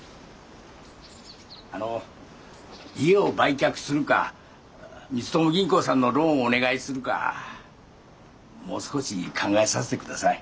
あの家を売却するか光友銀行さんのローンをお願いするかもう少し考えさせてください。